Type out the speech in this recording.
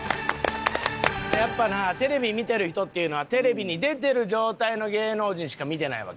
やっぱなテレビ見てる人っていうのはテレビに出てる状態の芸能人しか見てないわけよ。